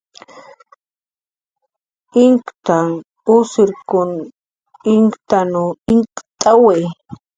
Inkkiriq uskirkun inkutanw inkt'awi